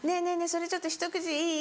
それちょっとひと口いい？」。